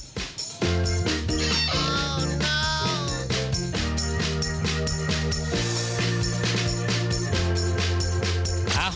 ฮอตมากเลยนะครับ